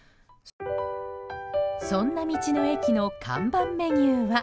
そんな道の駅の看板メニューは。